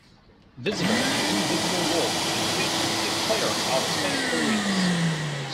Visible and invisible walls exist to keep players out of such areas.